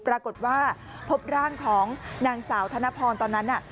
ปรากฏว่าพบร่างของนางสาวธนพรตอนนั้นน่ะ